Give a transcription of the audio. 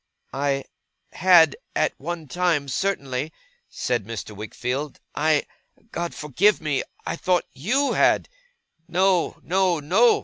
'I had, at one time, certainly,' said Mr. Wickfield. 'I God forgive me I thought YOU had.' 'No, no, no!